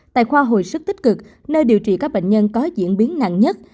tại khoa hồi sức tích cực nơi điều trị các bệnh nhân có diễn biến nặng nhất